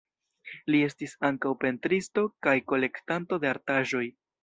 Li estis ankaŭ pentristo kaj kolektanto de artaĵoj.